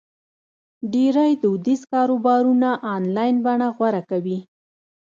ډېری دودیز کاروبارونه آنلاین بڼه غوره کوي.